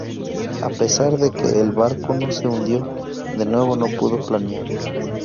A pesar de que el barco no se hundió, de nuevo no pudo planear.